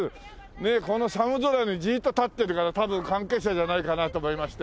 ねえこの寒空にじーっと立ってるから多分関係者じゃないかなと思いまして。